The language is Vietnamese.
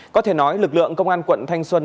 có thể nói lực lượng công an quận thanh xuân